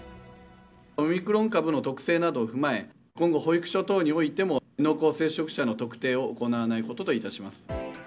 オミクロン株の特性などを踏まえ、今後、保育所等においても、濃厚接触者の特定を行わないことといたします。